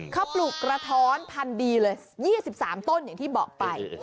เขาปลูกกระท้อนพันธุ์ดีเลย๒๓ต้นอย่างที่บอกไป